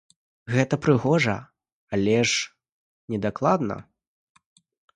Гэта прыгожа, але ж недакладна.